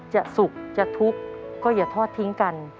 จะสุขจะทุกข์ก็อย่าทอดทิ้งกัน